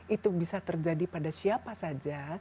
itu bisa terjadi pada siapa saja